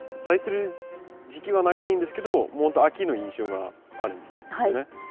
咲いてる時期は長いんですけど秋の印象があるんですよね。